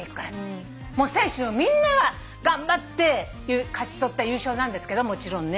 選手のみんなが頑張って勝ち取った優勝なんですけどもちろんね。